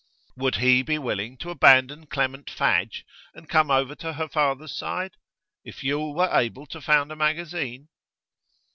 Would he be willing to abandon Clement Fadge, and come over to her father's side? If Yule were able to found a magazine?